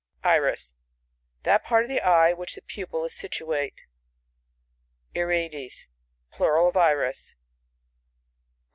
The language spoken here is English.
Iris. — That part of the eye in which the pupil is situate. Irides. — Plural of Iris.